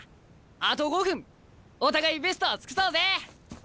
あと５分お互いベストを尽くそうぜ！